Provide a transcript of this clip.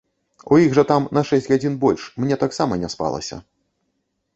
У іх жа там на шэсць гадзін больш, мне таксама не спалася.